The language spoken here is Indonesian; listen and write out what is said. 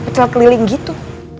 pecel keliling gitu